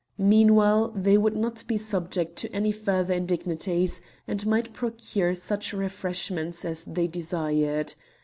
Meanwhile, they would not be subject to any further indignities, and might procure such refreshments as they desired.